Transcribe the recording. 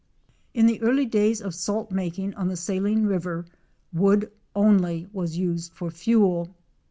In the early days of salt making on the Saline river wood only was used for fuel.